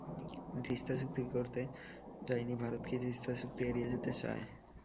তিস্তা চুক্তি করতে যাইনি ভারত কি তিস্তা চুক্তি এড়িয়ে যেতে চায়?